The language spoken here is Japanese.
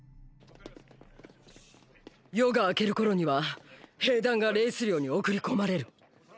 夜が明ける頃には兵団がレイス領に送り込まれる。